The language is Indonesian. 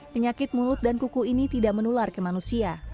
penyakit mulut dan kuku ini tidak menular ke manusia